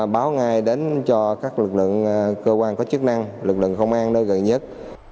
báo ngay đến cho các lực lượng cơ quan có chức năng lực lượng công an nơi gần nhất